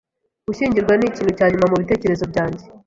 Gushyingirwa nikintu cya nyuma mubitekerezo byanjye.